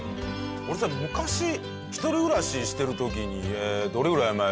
俺さ昔一人暮らししてる時にどれぐらい前だろう？